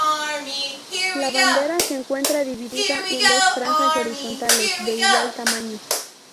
La bandera se encuentra dividida en dos franjas horizontales de igual tamaño.